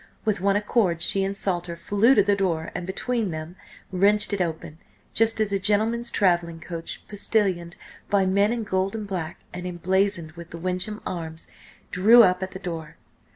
With one accord she and Salter flew to the door, and between them, wrenched it open, just as a gentleman's travelling coach, postillioned by men in gold and black, and emblazoned with the Wyncham arms, drew up at the door.